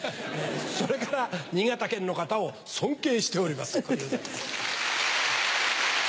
それから新潟県の方を尊敬しております小遊三です。